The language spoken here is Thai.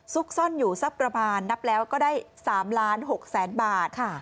ซุกซ่อนอยู่ซับกระบานนับแล้วก็ได้สามล้านหกแสนบาทค่ะ